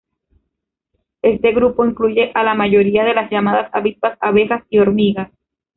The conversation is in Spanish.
Este grupo incluye a la mayoría de las llamadas avispas, abejas y hormigas.